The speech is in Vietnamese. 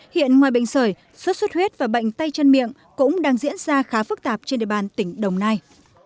hiện ngoài bệnh sởi sốt xuất huyết và bệnh tay chân miệng cũng đang diễn ra khá phức tạp trên địa bàn tỉnh đồng nai